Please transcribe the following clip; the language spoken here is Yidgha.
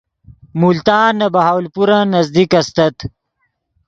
ملتان نے بہاولپورن نزدیک استت